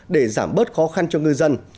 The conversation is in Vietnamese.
để giảm bớt khó khăn cho ngư dân